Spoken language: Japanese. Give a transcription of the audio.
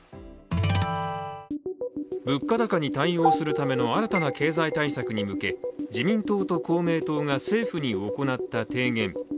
物価高に対応するための新たな経済対策に向け、自民党と公明党が政府に行った提言。